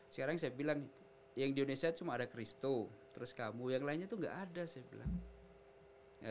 sekarang saya bilang yang di indonesia cuma ada christo terus kamu yang lainnya itu nggak ada saya bilang